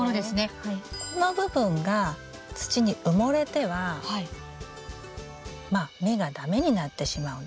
この部分が土に埋もれてはまあ芽が駄目になってしまうんですよ。